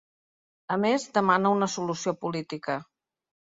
A més, demana una solució política.